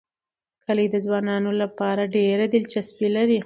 کلي د ځوانانو لپاره ډېره دلچسپي لري.